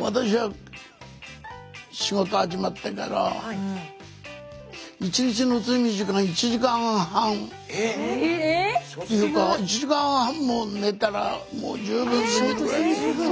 私は仕事始まってからっていうか１時間半も寝たらもう十分すぎるぐらいで。